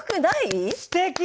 すてき！